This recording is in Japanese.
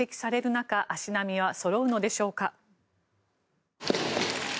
中足並みはそろうのでしょうか。